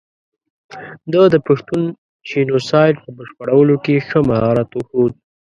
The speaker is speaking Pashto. ده د پښتون جینو سایډ په بشپړولو کې ښه مهارت وښود.